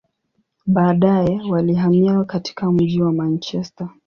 Baadaye, walihamia katika mji wa Manchester.